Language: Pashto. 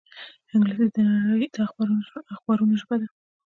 انګلیسي د نړۍ د اخبارونو ژبه ده